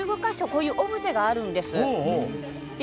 こういうオブジェがあるんです。